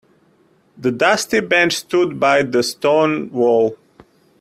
The dusty bench stood by the stone wall.